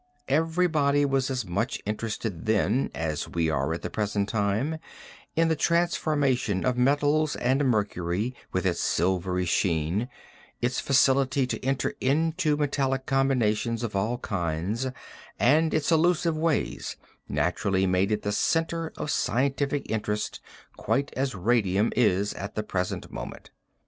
Everybody was as much interested then, as we are at the present time, in the transformation of metals and mercury with its silvery sheen, its facility to enter into metallic combinations of all kinds, and its elusive ways, naturally made it the center of scientific interest quite as radium is at the present moment.